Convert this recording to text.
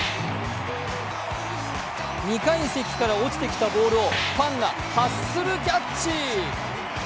２階席から落ちてきたボールをファンがハッスルキャッチ。